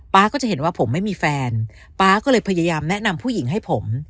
ก็จะเห็นว่าผมไม่มีแฟนป๊าก็เลยพยายามแนะนำผู้หญิงให้ผม